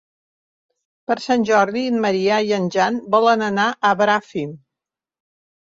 Per Sant Jordi en Maria i en Jan volen anar a Bràfim.